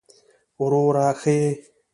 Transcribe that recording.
وروره ښه يې!